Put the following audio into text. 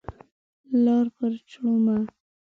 لار پر جوړومه